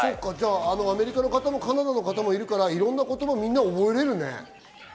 アメリカの方も、カナダの方もいるから、いろんな言葉を覚えられるね。